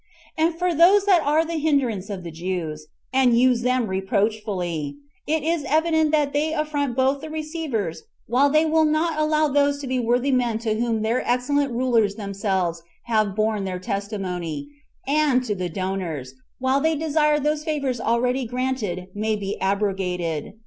And for those that are the hinderance of the Jews, and use them reproachfully, it is evident that they affront both the receivers, while they will not allow those to be worthy men to whom their excellent rulers themselves have borne their testimony, and the donors, while they desire those favors already granted may be abrogated.